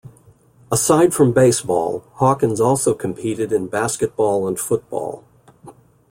Aside from baseball, Hawkins also competed in basketball and football.